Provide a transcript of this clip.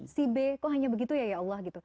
si b kok hanya begitu ya ya allah gitu